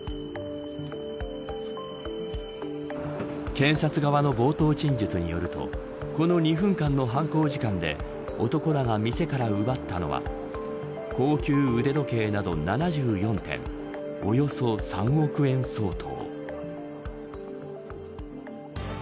検察側の冒頭陳述によるとこの２分間の犯行時間で男らが店から奪ったのは高級腕時計など７４点およそ３億円相当。